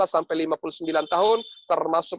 sampai lima puluh sembilan tahun termasuk